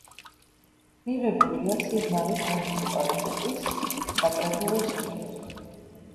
მიღებულია სიღნაღის მუნიციპალიტეტის საკრებულოს მიერ.